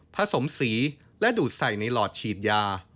สมสีและดูดใส่ในหลอดฉีดยา